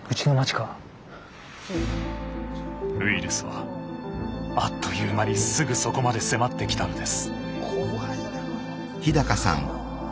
ウイルスはあっという間にすぐそこまで迫ってきたのです。